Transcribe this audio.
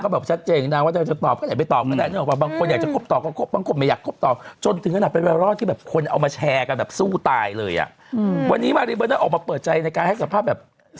เขาพูดกับพี่ว่าถ้าเป็นพี่พี่ตอบไหมใช่ป่ะ